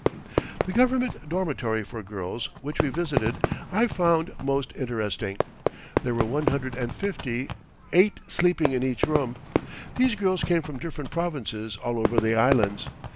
The Government Dormitory for Girls, which we visited, I found most interesting. There were one hundred and fifty, eight sleeping in each room. These girls came from different provinces all over the Islands.